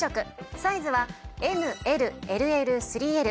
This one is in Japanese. サイズはＭＬＬＬ３Ｌ。